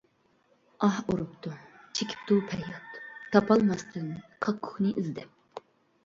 ئاھ ئۇرۇپتۇ، چېكىپتۇ پەرياد، تاپالماستىن كاككۇكنى ئىزدەپ.